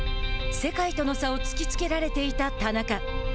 世界との差を突きつけられていた田中。